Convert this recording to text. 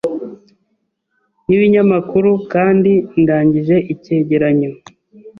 nibinyamakuru kandi ndangije icyegeranyo